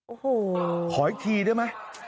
โอ้โหขออีกทีได้ไหม